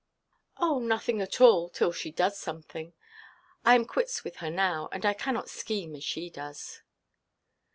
"Oh, nothing at all, till she does something. I am quits with her now; and I cannot scheme as she does."